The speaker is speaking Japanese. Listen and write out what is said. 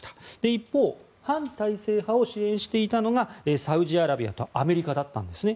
一方、反体制派を支援していたのがサウジアラビアとアメリカだったんです。